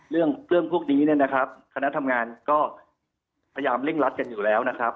เรื่องพวกนี้คณะทำงานก็พยายามเร่งรัดกันอยู่แล้วนะครับ